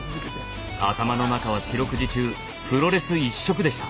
頭の中は四六時中プロレス一色でした。